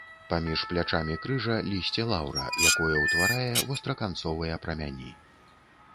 Паміж плячамі крыжа лісце лаўра, якое ўтварае востраканцовыя прамяні.